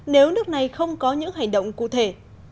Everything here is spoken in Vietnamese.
nếu nước này không có những hành động cụ thể